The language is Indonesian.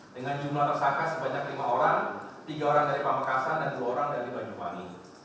dengan jumlah tersangka sebanyak lima orang tiga orang dari pamekasan dan dua orang dari banyuwangi